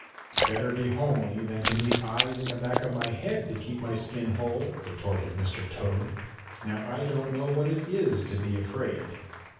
"Better be homely than to need eyes in the back of my head to keep my skin whole," retorted Mr. Toad. "Now I don't know what it is to be afraid."